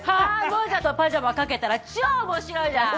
モジャとパジャマかけたら超面白いじゃん。